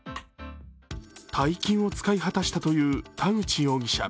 大金を使い果たしたという田口容疑者。